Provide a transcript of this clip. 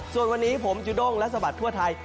ส่วนวันนี้ผมจุด้งและสะบัดทั่วไทย